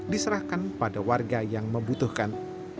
diserahkan pada warga yang membutuhkan